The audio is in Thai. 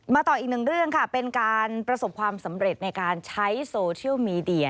ต่ออีกหนึ่งเรื่องค่ะเป็นการประสบความสำเร็จในการใช้โซเชียลมีเดีย